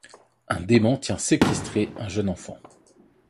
Un dément tient séquestré un jeune enfant.